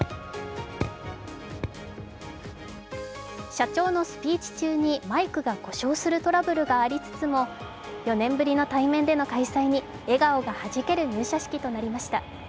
社長のスピーチ中にマイクが故障するトラブルがありつつも４年ぶりの対面での開催に笑顔がはじける入社式となりました。